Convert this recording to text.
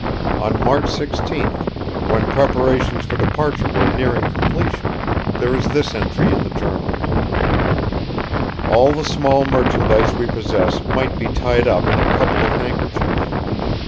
On March 16th, when preparations for departure were nearing completion, there is this entry in the journals: "All the small merchandise we possess might be tied up in a couple of handkerchiefs.